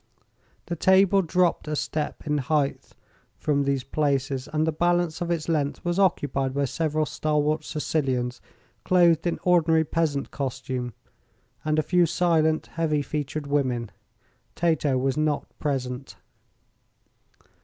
The table dropped a step in heighth from these places, and the balance of its length was occupied by several stalwart Sicilians, clothed in ordinary peasant costume, and a few silent, heavy featured women. Tato was not present.